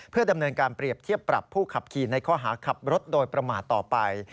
เพื่อดำเนินการเปรียบเทียบปรับผู้ขับขี่ในข้อหาขับรถโดยประมาทต่อไป